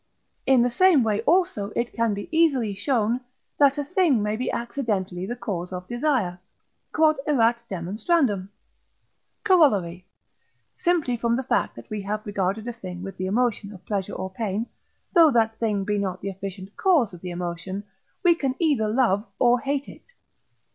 In the same way also it can be easily shown, that a thing may be accidentally the cause of desire. Q.E.D. Corollary. Simply from the fact that we have regarded a thing with the emotion of pleasure or pain, though that thing be not the efficient cause of the emotion, we can either love or hate it.